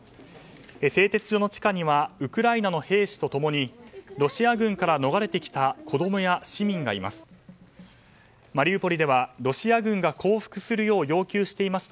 製鉄所の地下にはウクライナの兵士とともにロシア軍から逃れてきた子供や市民がいます。